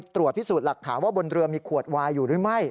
ตรวจพิสูจน์หลักฐานว่าบนเรือมีขวดวายอยู่หรือไม่